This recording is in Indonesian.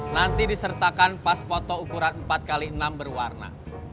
nanti disertakan pas foto ukuran empat x enam berwarna